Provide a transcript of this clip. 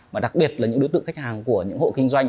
mà đặc biệt là những đối tượng khách hàng của những hộ kinh doanh